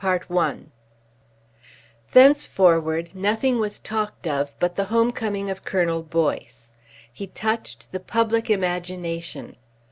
CHAPTER XIX Thenceforward nothing was talked of but the home coming of Colonel Boyce. He touched the public imagination.